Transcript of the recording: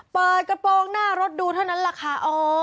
เปิดกระโปรงหน้ารถดูเท่านั้นแหละค่ะ